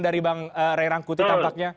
dari bang ray rangkuti tampaknya